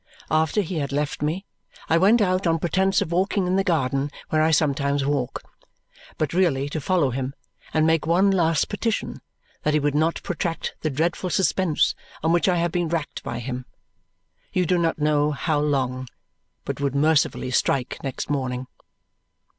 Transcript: After he had left me, I went out on pretence of walking in the garden where I sometimes walk, but really to follow him and make one last petition that he would not protract the dreadful suspense on which I have been racked by him, you do not know how long, but would mercifully strike next morning.